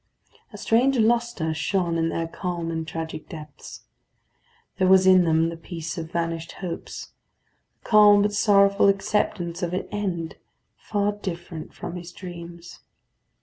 A strange lustre shone in their calm and tragic depths. There was in them the peace of vanished hopes, the calm but sorrowful acceptance of an end far different from his dreams.